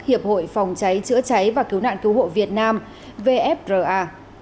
hiệp hội phòng cháy chữa cháy và cứu nạn cứu hộ việt nam vfra